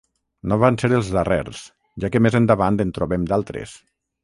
No van ser els darrers, ja que més endavant en trobem d'altres.